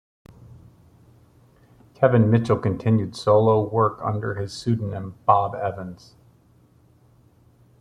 Kevin Mitchell continued solo work under his pseudonym, Bob Evans.